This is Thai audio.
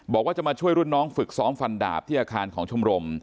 บอกว่าจะมาช่วยรุ่นน้องฝึกซ้อมฟันดาบที่อาคารของชมรม